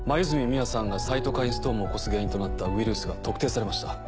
黛美羽さんがサイトカインストームを起こす原因となったウイルスが特定されました。